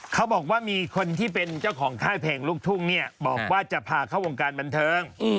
เขาบอกว่ามีคนที่เป็นเจ้าของค่ายเพลงลูกทุ่งเนี่ยบอกว่าจะพาเข้าวงการบันเทิง